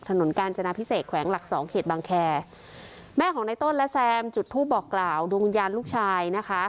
กาญจนาพิเศษแขวงหลักสองเขตบางแคแม่ของในต้นและแซมจุดทูปบอกกล่าวดวงวิญญาณลูกชายนะคะ